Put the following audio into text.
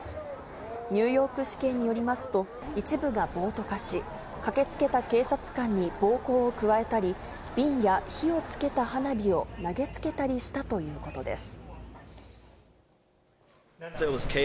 ニューヨーク市警によりますと、一部が暴徒化し、駆けつけた警察官に暴行を加えたり、瓶や火をつけた花火を投げつけたりしたということです。